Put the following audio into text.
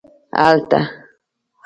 هلته